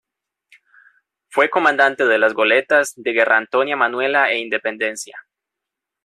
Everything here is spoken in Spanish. Fue comandante de las goletas de Guerra Antonia Manuela e Independencia.